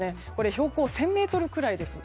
標高１０００ｍくらいです。